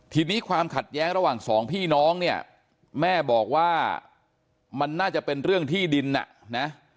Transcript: ทีนี้ความขัดแย้งระหว่างสองพี่น้องเนี่ยแม่บอกว่ามันน่าจะเป็นเรื่องที่ดินอ่ะนะ